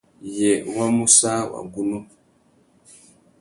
Yê wa mú sã wagunú ?